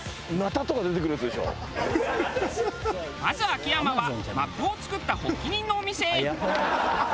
まず秋山はマップを作った発起人のお店へ。